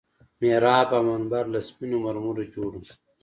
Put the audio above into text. محراب او منبر له سپينو مرمرو جوړ وو.